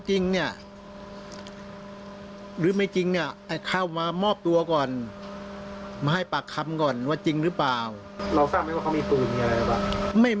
เครื่องนี้มันก็เข้ามเงียบถูกไหม